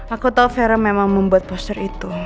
aku tahu vera memang membuat poster itu